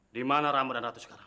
di mana ramadhan ratu sekarang